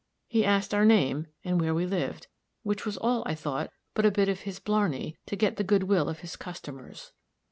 He asked our name, and where we lived, which was all, I thought, but a bit of his blarney, to get the good will of his customers."